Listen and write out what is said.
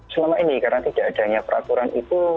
selama ini karena tidak adanya peraturan itu